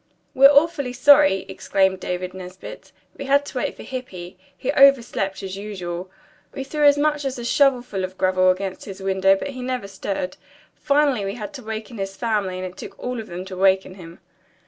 "We're awfully sorry!" exclaimed David Nesbit. "We had to wait for Hippy. He overslept as usual. We threw as much as a shovelful of gravel against his window, but he never stirred. Finally we had to waken his family and it took all of them to waken him."